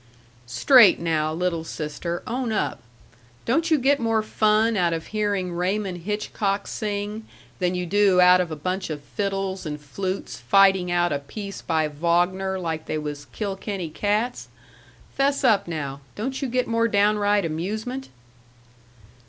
"Straight, now, little sister. Own up. Don't you get more fun out of hearing Raymond Hitchcock sing than you do out of a bunch of fiddles and flutes fighting out a piece by Vaugner like they was Kilkenny cats? 'Fess up, now; don't you get more downright amusement?"